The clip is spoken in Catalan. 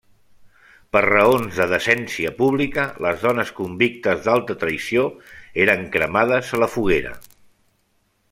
Per raons de decència pública, les dones convictes d'alta traïció eren cremades a la foguera.